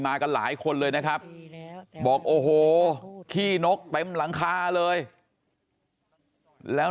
กันหลายคนเลยนะครับบอกโอ้โหขี้นกเต็มหลังคาเลยแล้ว